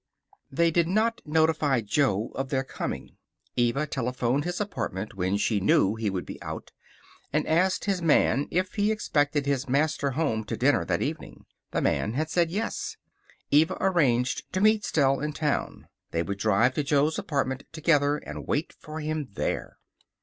They did not notify Jo of their coming. Eva telephoned his apartment when she knew he would be out, and asked his man if he expected his master home to dinner that evening. The man had said yes. Eva arranged to meet Stell in town. They would drive to Jo's apartment together, and wait for him there.